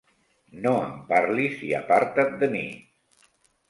No em parlis i aparta't de mi!